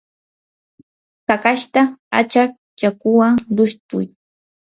kakashta achaq yakuwan lushtuy.